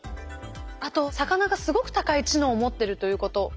あと魚がすごく高い知能を持ってるということ。